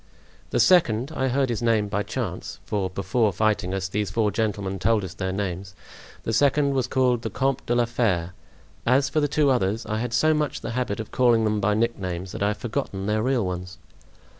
"The second—I heard his name by chance; for before fighting us, these four gentlemen told us their names; the second was called the Comte de la Fere. As for the two others, I had so much the habit of calling them by nicknames that I have forgotten their real ones."